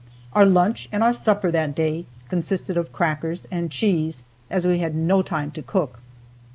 Our lunch and our supper that day consisted of crackers and cheese, as we had no time to cook.